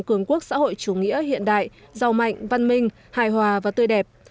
cường quốc xã hội chủ nghĩa hiện đại giàu mạnh văn minh hài hòa và tươi đẹp